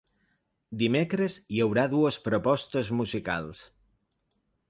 Dimecres hi haurà dues propostes musicals.